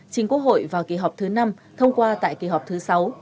chính quốc hội vào kỳ họp thứ năm thông qua tại kỳ họp thứ sáu